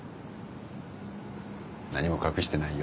何も隠してないよ。